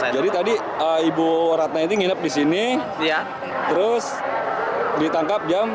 jadi tadi ibu ratna ini nginep di sini terus ditangkap jam